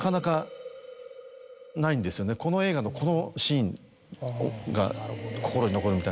この映画のこのシーンが心に残るみたいのって。